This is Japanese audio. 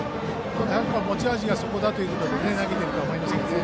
持ち味がそこだということで投げていると思いますが。